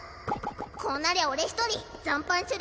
こうなりゃ俺一人残飯処理